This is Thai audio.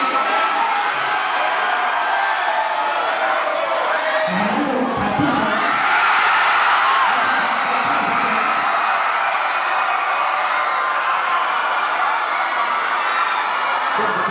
สวัสดีครับ